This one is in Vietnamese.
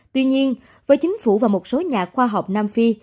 tuy nhiên với chính phủ và một số nhà khoa học nam phi